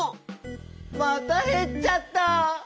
またへっちゃった。